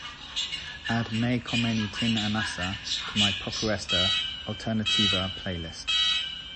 add Me Kommeni Tin Anasa to my propuesta alternativa playlist